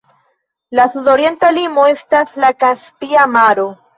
La sudorienta limo estas la Kaspia Maro.